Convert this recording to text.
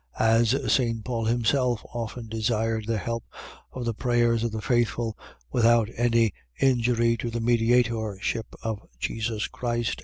As St. Paul himself often desired the help of the prayers of the faithful, without any injury to the mediatorship of Jesus Christ.